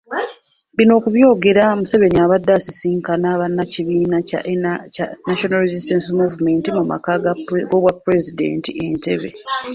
Bino okubyogera Museveni abadde asisinkanye bannakibiina kya National Resistance Movement mu maka g’obwapulezidenti Entebbe.